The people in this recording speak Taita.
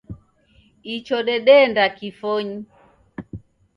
Icho dedeenda kifonyi